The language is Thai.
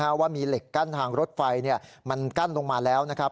เพราะว่ามีเหล็กกั้นทางรถไฟมันกั้นลงมาแล้วนะครับ